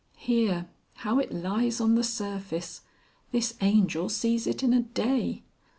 Here. How it lies on the surface! This Angel sees it in a day!"